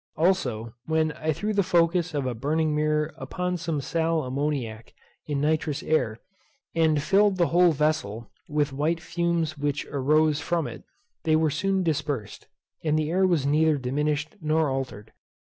Also when I threw the focus of a burning mirror upon some sal ammoniac in nitrous air, and filled the whole vessel with white fumes which arose from it, they were soon dispersed, and the air was neither diminished nor altered.